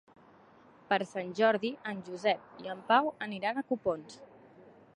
Per Sant Jordi en Josep i en Pau aniran a Copons.